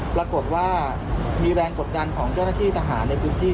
ปรากฏว่ามีแรงกดดันของเจ้าหน้าที่ทหารในพื้นที่